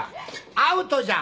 アウトじゃ。